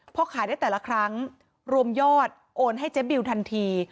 พอขายได้แต่ละครั้งรวมยอดโอนให้เจ๊บิวทันที